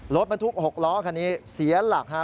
รถบรรทุก๖ล้อคันนี้เสียหลักฮะ